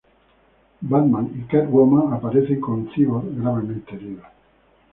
Batman y Catwoman aparecen, con Cyborg gravemente herido.